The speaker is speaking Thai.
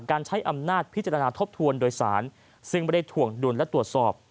การใช้อำนาจพิจารณาทบทวนโดยสารซึ่งไม่ได้ถ่วงดุลและตรวจสอบ